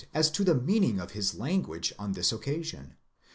195 to the meaning of his language on this occasion.